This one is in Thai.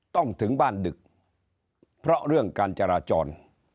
ถึงบ้านดึกเพราะเรื่องการจราจร